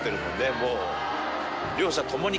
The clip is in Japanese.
もう。